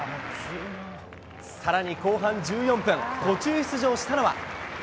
さらに後半１４分、途中出場したのは。